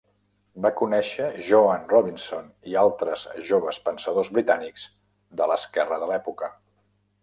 Va conèixer Joan Robinson i altres joves pensadors britànics de l'esquerra de l'època.